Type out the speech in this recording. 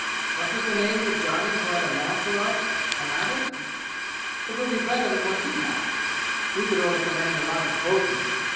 What was the name of the Johnny who had a lamp to rub? Aladdin? It will be better than what he had! He could only command a lot of bogies.